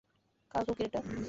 কার কুকুর এটা?